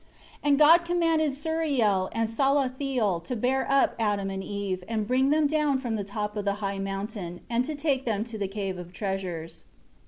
6 And God commanded Suriyel and Salathiel to bear up Adam and Eve, and bring them down from the top of the high mountain, and to take them to the Cave of Treasures.